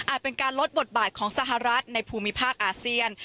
เป็นการลดบทบาทของสหรัฐในภูมิภาคอาเซียน